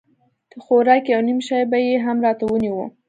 د خوراک يو نيم شى به يې هم راته رانيوه.